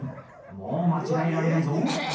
もう間違えられないぞ。